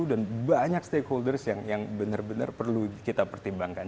dan banyak stakeholders yang benar benar perlu kita pertimbangkan